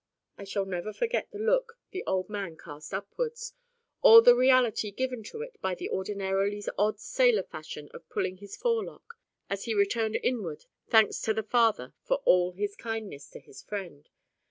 I shall never forget the look the old man cast upwards, or the reality given to it by the ordinarily odd sailor fashion of pulling his forelock, as he returned inward thanks to the Father of all for His kindness to his friend.